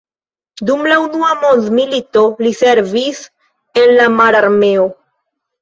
Dum la Unua mondmilito li servis en la mararmeo.